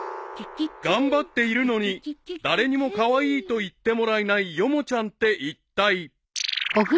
［頑張っているのに誰にもカワイイと言ってもらえないヨモちゃんっていったい］